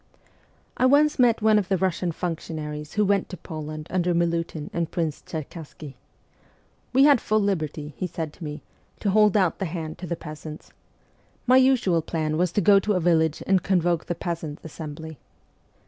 I once met one of the Russian functionaries who went to Poland under Milutin and Prince Cherkassky. ' We had full liberty,' he said to me, ' to hold out the hand to the peasants. My usual plan was to go to a village and convoke the peasants' assembly.